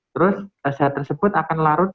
terus zat tersebut akan larut